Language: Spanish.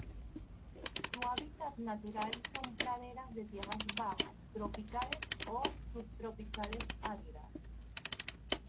Su hábitat natural son praderas de tierras bajas tropicales o subtropicales áridas.